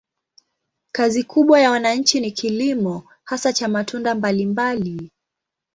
Kazi kubwa ya wananchi ni kilimo, hasa cha matunda mbalimbali.